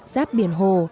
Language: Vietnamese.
giáp biển hồ